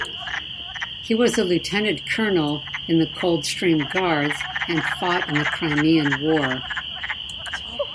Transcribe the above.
He was a Lieutenant-Colonel in the Coldstream Guards and fought in the Crimean War.